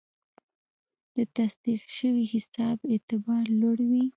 د تصدیق شوي حساب اعتبار لوړ وي.